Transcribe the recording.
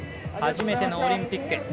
初めてのオリンピック。